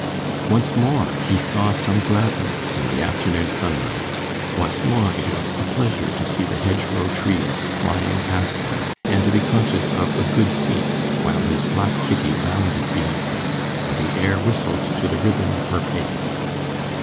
Once more he saw some gladness in the afternoon sunlight; once more it was a pleasure to see the hedgerow trees flying past him, and to be conscious of a 'good seat' while his black Kitty bounded beneath him, and the air whistled to the rhythm of her pace.